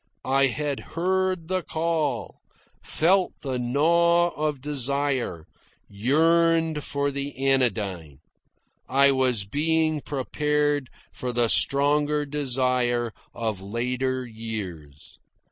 I had heard the call, felt the gnaw of desire, yearned for the anodyne. I was being prepared for the stronger desire of later years.